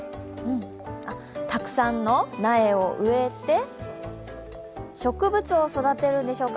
あっ、たくさんの苗を植えて植物を育てるんでしょうか。